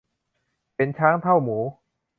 เห็นช้างเท่าหมู